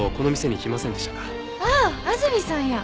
ああ安住さんや。